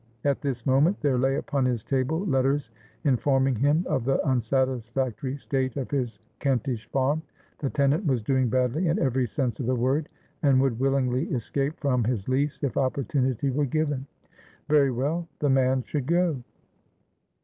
At this moment there lay upon his table letters informing him of the unsatisfactory state of his Kentish farm; the tenant was doing badly in every sense of the word, and would willingly escape from his lease if opportunity were given. Very well; the man should go.